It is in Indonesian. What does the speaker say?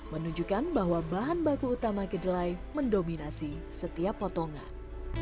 menunjukkan bahwa bahan baku utama kedelai mendominasi setiap potongan